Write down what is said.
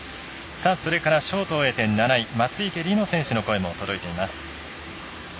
それからショートを終えて７位松生理乃選手の声も届いています。